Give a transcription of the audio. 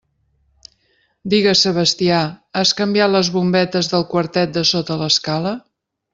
Digues, Sebastià, has canviat les bombetes del quartet de sota l'escala?